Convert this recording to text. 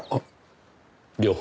両方？